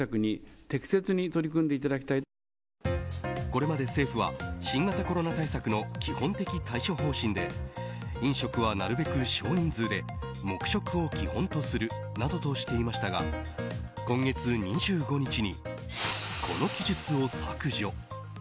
これまで政府は新型コロナ対策の基本的対処方針で飲食はなるべく少人数で黙食を基本とするなどとしていましたが今月２５日にこの記述を削除。